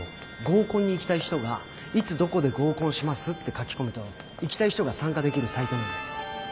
合コンに行きたい人がいつどこで合コンしますって書き込むと行きたい人が参加できるサイトなんです。